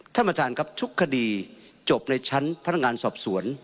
ท่านประธานครับทุกคดีจบในชั้นพนักงานสอบสวน